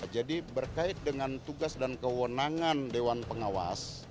jadi berkait dengan tugas dan kewenangan dewan pengawas